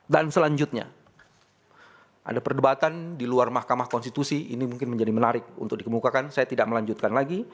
dan selanjutnya ada perdebatan di luar mahkamah konstitusi ini mungkin menjadi menarik untuk dikemukakan saya tidak melanjutkan lagi